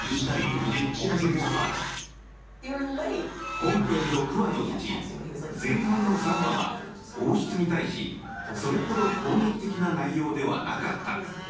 本編６話のうち、前半の３話は王室に対し、それほど攻撃的な内容ではなかった。